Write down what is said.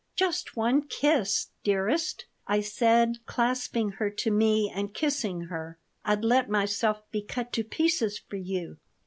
"Just one kiss, dearest!" I said, clasping her to me and kissing her. "I'd let myself be cut to pieces for you."